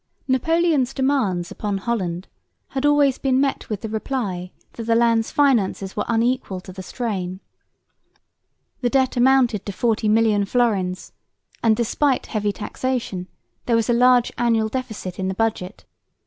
Napoleon's demands upon Holland had always been met with the reply that the land's finances were unequal to the strain. The debt amounted to 40,000,000 fl.; and, despite heavy taxation, there was a large annual deficit in the budget.